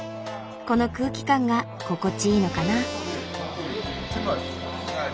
この空気感が心地いいのかな。